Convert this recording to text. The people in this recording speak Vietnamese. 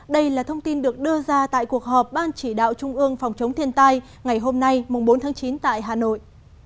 đây là thông tin được đưa ra tại cuộc họp ban chỉ đạo trung ương phòng chống thiên tai ngày hôm nay bốn tháng chín tại hà nội